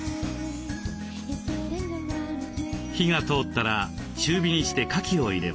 火が通ったら中火にしてかきを入れます。